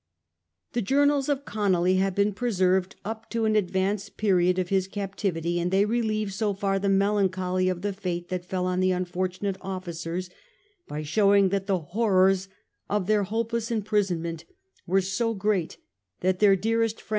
The journals of Conolly have been preserved up to an advanced period of his captivity, and they relieve so far the melancholy of the fate that fell on the unfortunate officers by showing that the horrors of their hopeless imprisonment were so great that their dearest friends 268 A.